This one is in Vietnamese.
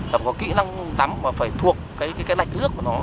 là có kỹ năng tắm và phải thuộc cái lạch nước của nó